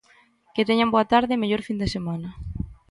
Que teñan boa tarde e mellor fin de semana.